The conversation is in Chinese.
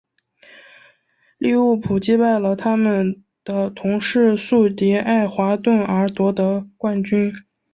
利物浦击败了他们的同市宿敌爱华顿而夺得冠军。